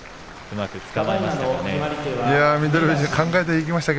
うまくつかまえました。